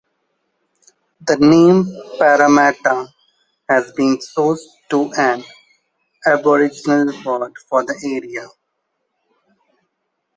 The name Parramatta has been sourced to an Aboriginal word for the area.